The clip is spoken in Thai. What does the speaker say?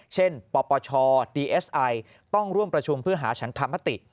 เช่นปปชดีเอสไอต้องร่วมประชุมเพื่อหาฉันธรรมติ